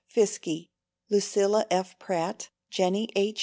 Fiske, Lucilla F. Pratt, Jennie H.